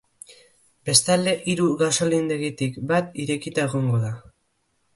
Bestalde, hiru gasolindegitik bat irekita egongo da.